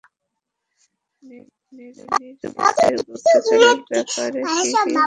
ম্যারোনির কেসের গুপ্তচরের ব্যাপারে কী জানেন?